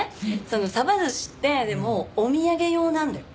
そのサバ寿司ってでもお土産用なんだよ。